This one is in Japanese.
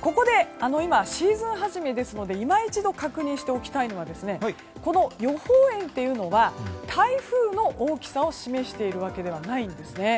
ここで今シーズン初めですので今一度、確認しておきたいのがこの予報円というのは台風の大きさを示しているわけではないんですね。